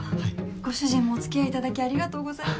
ご主人もお付き合いいただきありがとうございます。